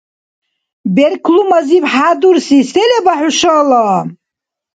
Берклумазибад хӀядурси се леба хӀушала?